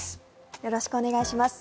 よろしくお願いします。